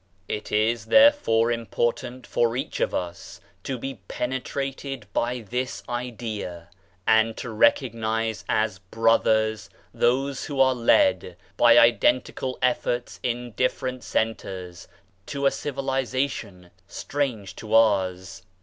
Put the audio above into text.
It is therefore important for each of us to be penetrated by this idea, and to recognise as brothers those who are led, by identical efforts in different centres, to a civilisation strange to ours.